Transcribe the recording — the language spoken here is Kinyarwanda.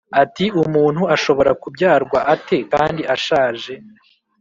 ati “umuntu ashobora kubyarwa ate kandi ashaje?”